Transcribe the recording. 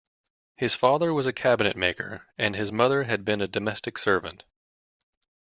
His father was a cabinet maker and his mother had been a domestic servant.